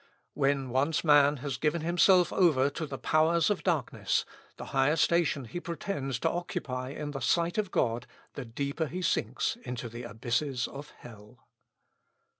When once man has given himself over to the powers of darkness, the higher the station he pretends to occupy in the sight of God, the deeper he sinks into the abysses of hell.